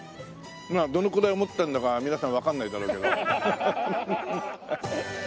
まあどのくらい思ったんだか皆さんわかんないだろうけど。